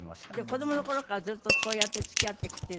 子どもの頃からずっとそうやって付き合ってきて？